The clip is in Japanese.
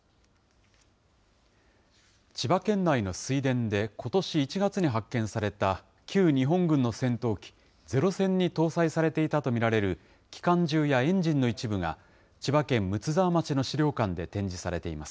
千葉県内の水田で、ことし１月に発見された旧日本軍の戦闘機、ゼロ戦に搭載されていたと見られる機関銃やエンジンの一部が、千葉県睦沢町の資料館で展示されています。